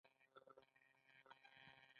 هغه په اصلي او ذاتي کرامت کې شریک دی.